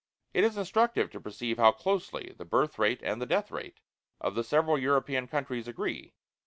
It is instructive to perceive how closely the birth rate and the death rate of the several European countries agree.